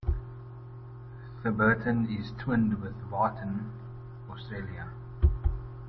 Theberton is twinned with Thebarton, Australia.